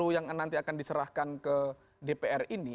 yang nanti akan diserahkan ke dpr ini